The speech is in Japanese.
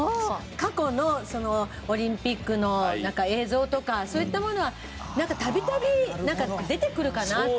過去のオリンピックの映像とかそういったものは度々出てくるかなと。